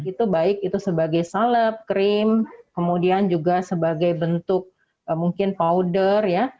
itu baik itu sebagai salep krim kemudian juga sebagai bentuk mungkin powder ya